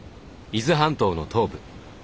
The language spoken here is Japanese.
伊豆半島の東部。